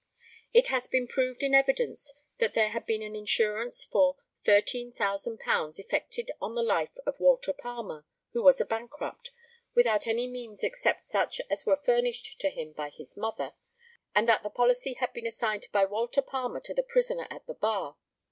It has been proved in evidence that there had been an insurance for £13,000 effected on the life of Walter Palmer, who was a bankrupt, without any means except such as were furnished to him by his mother; and that the policy had been assigned by Walter Palmer to the prisoner at the bar.